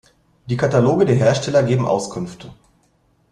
Die Kataloge der Hersteller geben Auskünfte.